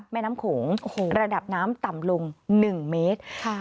แม่น้ำโขงระดับน้ำต่ำลง๑เมตร